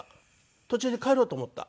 「途中で帰ろうと思った」。